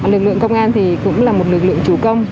lực lượng công an thì cũng là một lực lượng chủ công